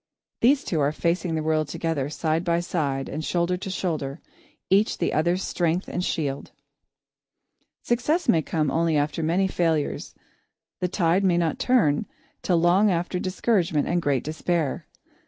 These two are facing the world together, side by side and shoulder to shoulder, each the other's strength and shield. Success may come only after many failures; the tide may not turn till after long discouragement and great despair.